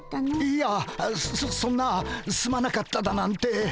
いやそそんなすまなかっただなんて。